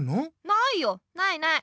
ないよないない。